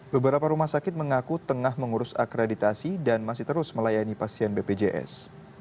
beberapa rumah sakit mengaku tengah mengurus akreditasi dan masih terus melayani pasien bpjs